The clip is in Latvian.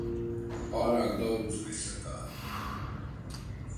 Pārāk daudz visa kā.